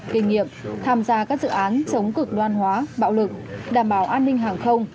kinh nghiệm tham gia các dự án chống cực đoan hóa bạo lực đảm bảo an ninh hàng không